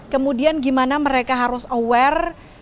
kemudian gimana mereka harus aware